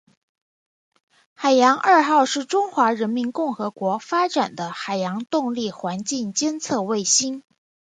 海洋二号是中华人民共和国发展的海洋动力环境监测卫星。